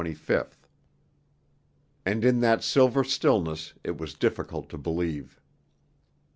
And in that silver stillness it was difficult to believe.